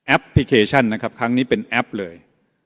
พลิเคชันนะครับครั้งนี้เป็นแอปเลย